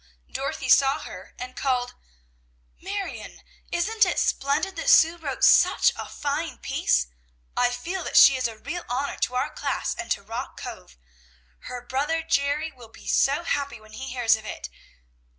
Dorothy saw her, and called, "Marion! isn't it splendid that Sue wrote such a fine piece? I feel that she is a real honor to our class and to Rock Cove! Her brother Jerry will be so happy when he hears of it."